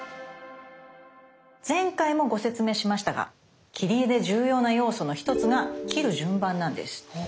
前回もご説明しましたが切り絵で重要な要素の一つが切る順番なんです。